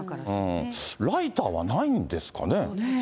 ライターはないんですかね。